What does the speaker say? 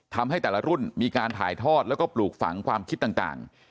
ทำให้แต่ละรุ่นมีการถ่ายทอดแล้วก็ปลูกฝังความคิดต่าง